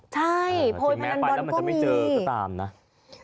ใช่พลอยพนันบอนก็มี